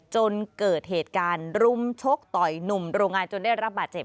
จนเกิดเหตุการณ์รุมชกต่อยหนุ่มโรงงานจนได้รับบาดเจ็บ